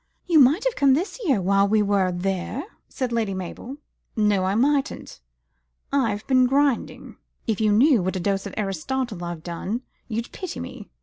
"You might have come this year while we were there," said Lady Mabel. "No, I mightn't. I've been grinding. If you knew what a dose of Aristotle I've had, you'd pity me.